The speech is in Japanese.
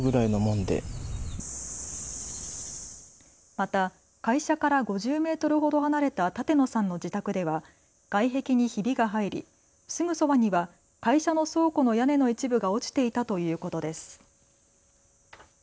また会社から５０メートルほど離れた舘野さんの自宅では外壁にひびが入り、すぐそばには会社の倉庫の屋根の一部が落ちていたということです。